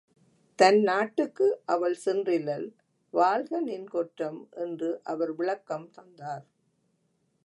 தன் நாட்டுக்கு அவள் சென்றிலள் வாழ்க நின் கொற்றம் என்று அவர் விளக்கம் தந்தார்.